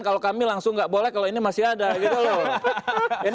kalau kami langsung nggak boleh kalau ini masih ada gitu loh